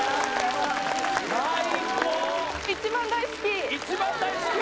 最高一番大好き？